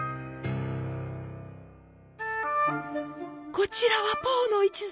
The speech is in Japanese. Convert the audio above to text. こちらは「ポーの一族」。